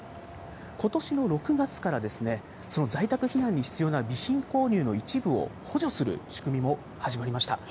ことしの６月からその在宅避難に必要な備品購入の一部を補助する仕組みも始まりました。